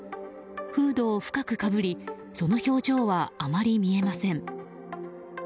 フードを深くかぶりその表情はあまり見えません。